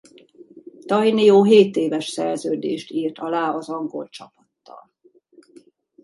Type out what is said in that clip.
Tainio hétéves szerződést írt alá az angol csapattal.